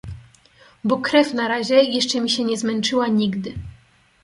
Bo krew na razie jeszcze mi się nie zmęczyła nigdy.